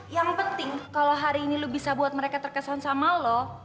yang penting kalau hari ini lu bisa buat mereka terkesan sama lo